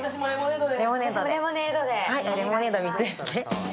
レモネード３つですね。